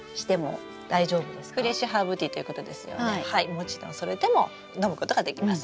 もちろんそれでも飲むことができます。